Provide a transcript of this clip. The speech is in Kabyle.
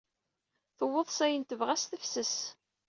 Tuweḍ s ayen tebɣa s tefses.